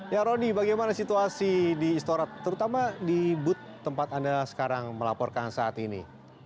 ya roni bagaimana situasi di istora terutama di booth tempat anda sekarang melaporkan saat ini